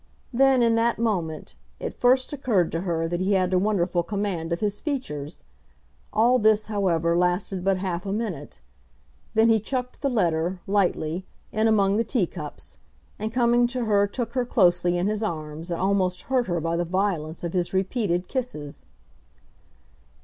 Then, in that moment, it first occurred to her that he had a wonderful command of his features. All this, however, lasted but half a minute. Then he chucked the letter, lightly, in among the tea cups, and coming to her took her closely in his arms and almost hurt her by the violence of his repeated kisses.